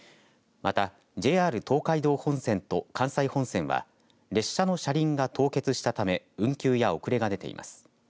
またＪＲ東海道本線と関西本線は列車の車輪が凍結したため運休や遅れが出ています。